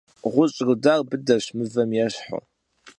Ğuş' rudar bıdeş, mıvem yêşhu.